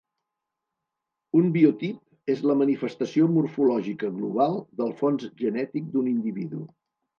Un biotip és la manifestació morfològica global del fons genètic d'un individu.